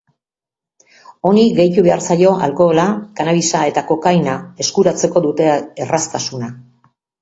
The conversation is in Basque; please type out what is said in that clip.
Honi gehitu behar zaio alkohola, kannabisa eta kokaina eskuratzeko dute erraztasuna.